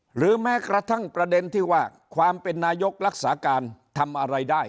หรือแม้กระทั่งประเด็นที่ว่าความเป็นนายกรักษาการทำอะไรได้